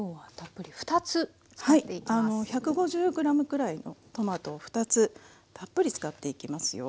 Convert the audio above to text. １５０ｇくらいのトマトを２つたっぷり使っていきますよ。